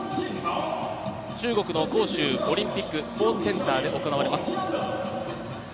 中国の杭州オリンピックスポーツセンターで行われます。